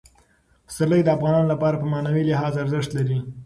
پسرلی د افغانانو لپاره په معنوي لحاظ ارزښت لري.